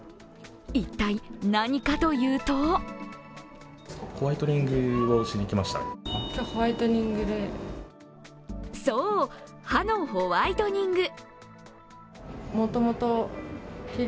一体何かというとそう、歯のホワイトニング。